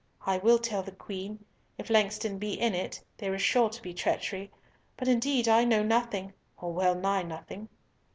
I will tell the Queen. If Langston be in it, there is sure to be treachery. But, indeed, I know nothing or well nigh nothing."